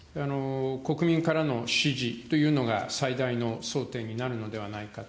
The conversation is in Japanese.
国民からの支持というのが、最大の争点になるのではないかと。